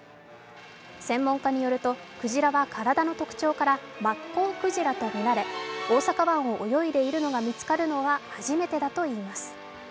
専門家によるとクジラは体の特徴からマッコウクジラとみられ大阪湾を泳いでいるのが見つかるのは初めてだといいます。